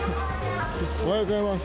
おはようございます。